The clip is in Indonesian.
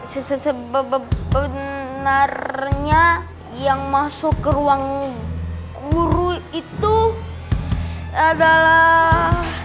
sesebenarnya yang masuk ke ruang guru itu adalah